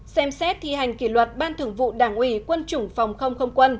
ba xem xét thi hành kỷ luật ban thường vụ đảng ủy quân chủng phòng không không quân